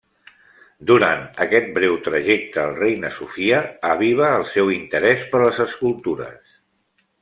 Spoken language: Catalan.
Durant aquest breu trajecte al Reina Sofia aviva el seu interès per les escultures.